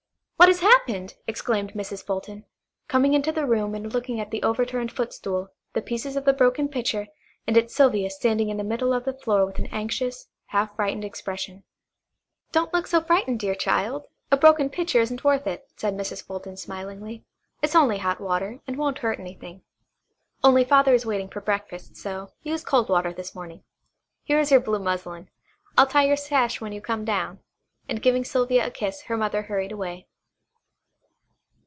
What has happened?" exclaimed Mrs. Fulton, coming into the room and looking at the overturned footstool, the pieces of the broken pitcher, and at Sylvia standing in the middle of the floor with an anxious, half frightened expression. "Don't look so frightened, dear child. A broken pitcher isn't worth it," said Mrs. Fulton smilingly. "It's only hot water, and won't hurt anything. Only Father is waiting for breakfast, so use cold water this morning. Here is your blue muslin I'll tie your sash when you come down," and giving Sylvia a kiss her mother hurried away.